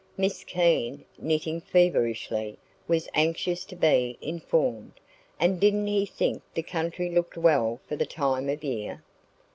Miss Keene, knitting feverishly, was anxious to be informed. And didn't he think the country looked well for the time of year?